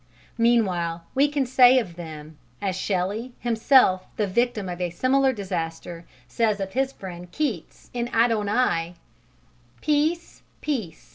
Meanwhile we can say of them, as Shelley, himself the victim of a similar disaster, says of his friend Keats in "Adonais": "Peace, peace!